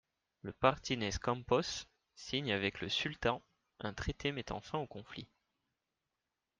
Le Martínez Campos signe avec le Sultan un traité mettant fin au conflit.